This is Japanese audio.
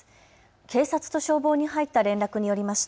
警察と消防に入った連絡によります